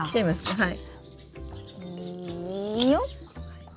はい。